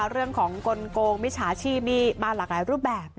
เรื่องของกลงมิจฉาชีพนี่มาหลากหลายรูปแบบ